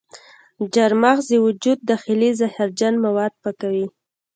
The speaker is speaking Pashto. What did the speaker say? چارمغز د وجود داخلي زهرجن مواد پاکوي.